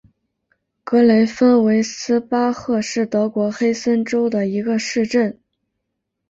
格雷芬维斯巴赫是德国黑森州的一个市镇。